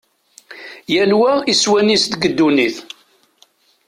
Yal wa iswan-is deg ddunit.